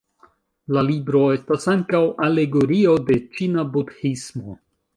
La libro estas ankaŭ alegorio de ĉina Budhismo.